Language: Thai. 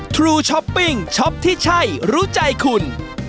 ทรูช้อปปิ้งช็อปที่ใช่รู้ใจคุณ